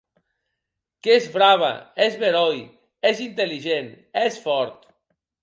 Qu’ès brave!, ès beròi!, ès intelligent!, ès fòrt!